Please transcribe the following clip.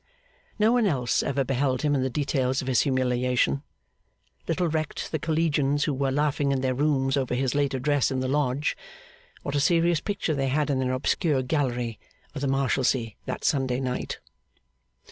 No one else ever beheld him in the details of his humiliation. Little recked the Collegians who were laughing in their rooms over his late address in the Lodge, what a serious picture they had in their obscure gallery of the Marshalsea that Sunday night.